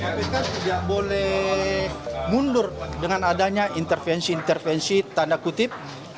kpk tidak boleh mundur dengan adanya intervensi intervensi tanda kutip